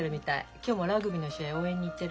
今日もラグビーの試合応援に行ってる。